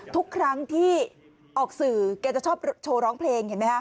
ทุกครั้งที่ออกสื่อแกจะชอบโชว์ร้องเพลงเห็นไหมฮะ